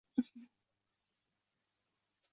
Bir so’z bilan aytdim.